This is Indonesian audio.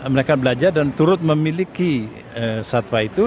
mereka belajar dan turut memiliki satwa itu